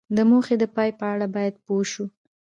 د موخې د پای په اړه باید پوه شو.